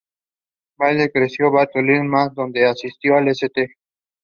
He supports Juventus.